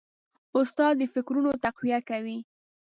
استاد د فکرونو تقویه کوي.